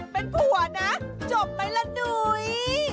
เป็นผัวนะจบไหมล่ะนุ้ย